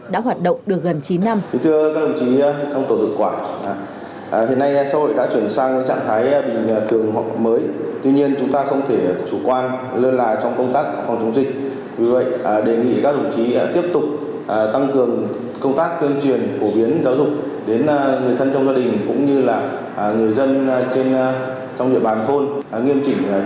đã hoạt động được gần chín năm